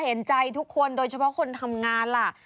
เห็นใจทุกคนโดยเฉพาะคนทำงานล่ะ